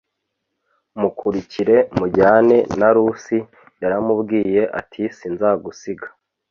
Mukurikire mujyane na Rusi yaramubwiye ati sinzagusiga